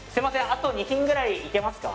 あと２品ぐらいいけますか？